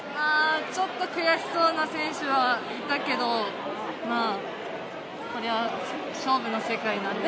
ちょっと悔しそうな選手はいたけど、まあ、これは勝負の世界なんで。